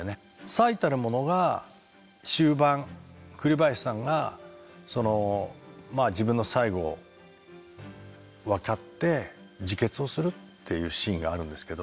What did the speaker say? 最たるものが終盤栗林さんがまあ自分の最期を分かって自決をするっていうシーンがあるんですけど。